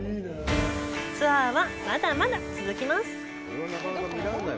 ツアーはまだまだ続きます。